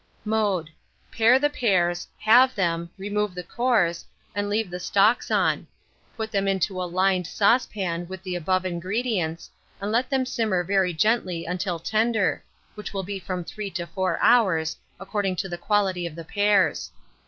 Mode. Pare the pears, halve them, remove the cores, and leave the stalks on; put them into a lined saucepan with the above ingredients, and let them simmer very gently until tender, which will be in from 3 to 4 hours, according to the quality of the pears.